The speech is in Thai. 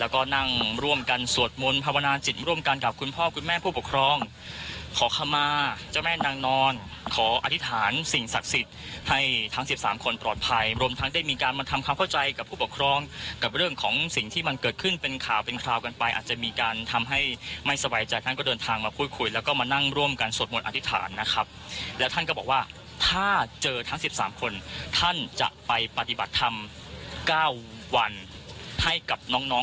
ก็นั่งร่วมกันสวดมนต์ภาวนาจิตรร่วมกันกับคุณพ่อคุณแม่ผู้ปกครองขอคำมาเจ้าแม่นางนอนขออธิษฐานสิ่งศักดิ์สิทธิ์ให้ทั้งสิบสามคนปลอดภัยรวมทั้งได้มีการมาทำความเข้าใจกับผู้ปกครองกับเรื่องของสิ่งที่มันเกิดขึ้นเป็นข่าวเป็นข่าวกันไปอาจจะมีการทำให้ไม่สบายใจท่าน